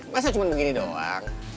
masa cuma begini dong